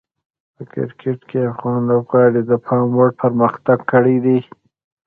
په کرکټ کې افغان لوبغاړي د پام وړ پرمختګ کړی دی.